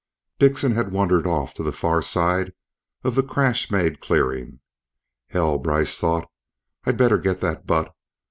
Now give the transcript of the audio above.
Dickson had wandered off to the far side of the crash made clearing. Hell, Brice thought, I'd better get that butt.